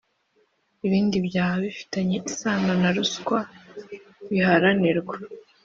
ibindi byaha bifitanye isano na ruswa birahanirwa